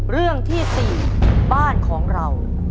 เรื่องที่๔บ้านของเรา